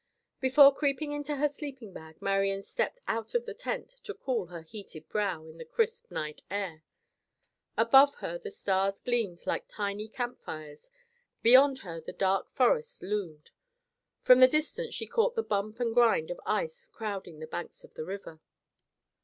Before creeping into her sleeping bag, Marian stepped out of the tent to cool her heated brow in the crisp night air. Above her the stars gleamed like tiny camp fires; beyond her the dark forest loomed. From the distance she caught the bump and grind of ice crowding the banks of the river.